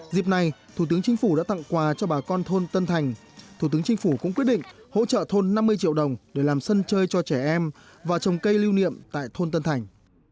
dịp này thủ tướng chính phủ đã tặng quà cho bà con thôn tân thành thủ tướng chính phủ cũng quyết định hỗ trợ thôn năm mươi triệu đồng để làm sân chơi cho trẻ em và trồng cây lưu niệm tại thôn tân thành